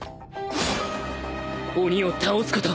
「鬼を倒すこと」